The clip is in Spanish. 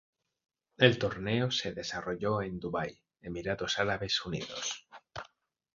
El torneo se desarrolló en Dubái, Emiratos Árabes Unidos.